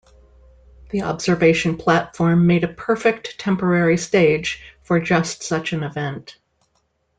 The observation platform made a perfect temporary stage for just such an event.